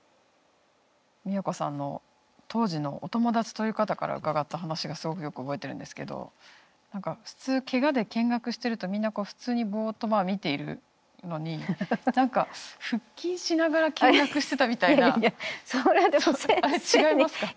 都さんの当時のお友達という方から伺った話がすごくよく覚えてるんですけど何か普通けがで見学してるとみんな普通にぼうっと見ているのにいやいやいや。それは。あっ違いますか？